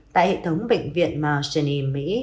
tại hệ thống bệnh viện marjanee mỹ